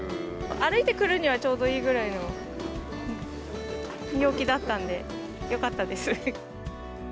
歩いて来るにはちょうどいいくらいの陽気だったんで、よかったです。